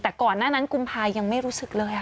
แต่ก่อนหน้านั้นกุมภายังไม่รู้สึกเลย